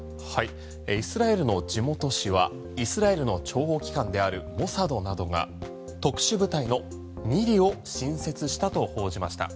イスラエルの地元紙はイスラエルの諜報機関であるモサドなどが特殊部隊のミリを新設したと報じました。